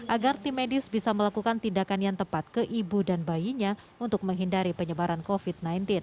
agar tim medis bisa melakukan tindakan yang tepat ke ibu dan bayinya untuk menghindari penyebaran covid sembilan belas